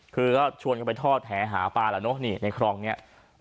คือก็ชวนเขาไปทอดแหหาปลาในครองนี้